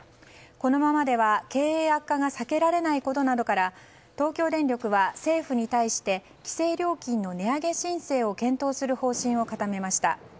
このままでは経営悪化が避けられないことなどから東京電力は政府に対して規制料金の値上げ申請を検討する方針を固めました。